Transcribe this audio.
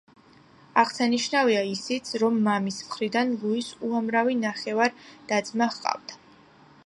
აღსანიშნავია ისიც, რომ მამის მხრიდან ლუის უამრავი ნახევარ-და-ძმა ჰყავდა.